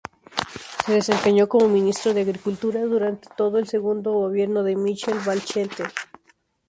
Se desempeñó como ministro de Agricultura durante todo el segundo gobierno de Michelle Bachelet.